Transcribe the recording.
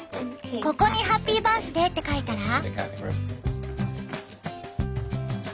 ここにハッピーバースデーって書いたら？